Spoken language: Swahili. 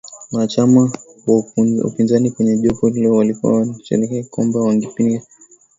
Wanachama wa upinzani kwenye jopo hilo walikuwa wameashiria kwamba wangempinga katika masuala mbalimbali.